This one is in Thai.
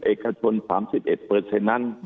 เอกชน๓๑นั้น